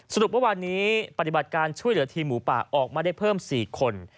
เมื่อวานนี้ปฏิบัติการช่วยเหลือทีมหมูป่าออกมาได้เพิ่ม๔คน